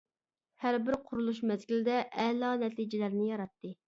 ھەربىر قۇرۇلۇش مەزگىلىدە ئەلا نەتىجىلەرنى ياراتتى.